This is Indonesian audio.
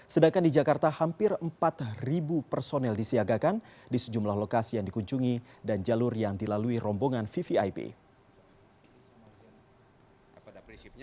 sedangkan di jakarta hampir empat personel disiagakan di sejumlah lokasi yang dikunjungi dan jalur yang dilalui rombongan vvip